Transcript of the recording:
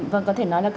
vâng có thể nói là